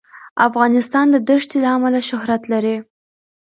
افغانستان د دښتې له امله شهرت لري.